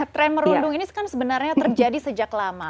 tren merundung ini kan sebenarnya terjadi sejak lama